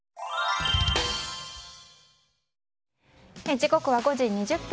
時刻は５時２０分。